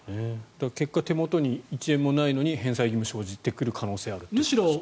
結果手元に１円もないのに返済義務が生じてくる可能性があるということですよね。